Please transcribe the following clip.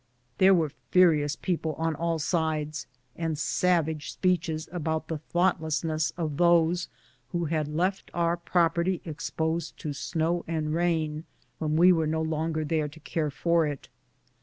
There were furious people on all sides, and savage speeches about the thoughtlessness of those who had left our property exposed to snow and rain, when we were no longer there to care for it.